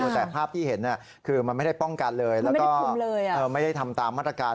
แต่ภาพที่เห็นคือมันไม่ได้ป้องกันเลยแล้วก็ไม่ได้ทำตามมาตรการ